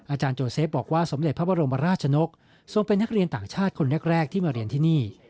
อาจารย์โจเซฟบอกว่าสมเด็จพระบรมราชนกทรงเป็นนักเรียนต่างชาติคนแรกที่มาเรียนที่นี่